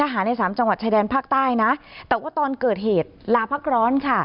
ในสามจังหวัดชายแดนภาคใต้นะแต่ว่าตอนเกิดเหตุลาพักร้อนค่ะ